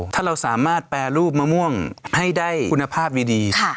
ถ้าเราสามารถแปรรูปมะม่วงให้ได้คุณภาพดี